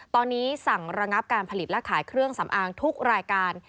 ตอนนี้สั่งระงับการผลิตและขายเครื่องสำอางทุกรายการ